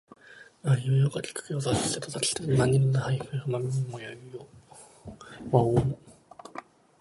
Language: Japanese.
あいうえおかきくけこさしすせそたちつてとなにぬねのはひふへほまみむめもやゆよわをん